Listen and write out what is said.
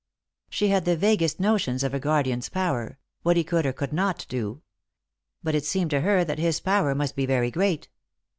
She had the vaguest notions of a guardian's power, what he could or could not do. But it seemed to her that his power must be very great.